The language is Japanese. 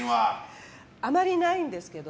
あまりないんですけど。